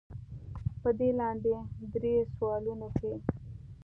پۀ دې لاندې درې سوالونو کښې